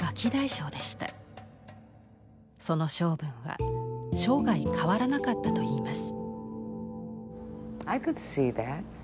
その性分は生涯変わらなかったといいます。